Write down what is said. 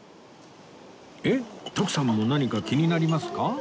えっ徳さんも何か気になりますか？